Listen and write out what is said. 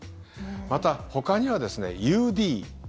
また、ほかにはですねＵＤ。